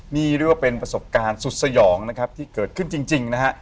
นี่เรียกว่าเป็นประสบการณ์สุดสยองนะครับที่เกิดขึ้นจริงนะฮะ